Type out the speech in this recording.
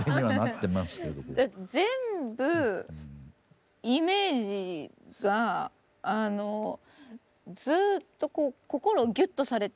全部イメージがあのずっとこう心をギュッとされた曲たち。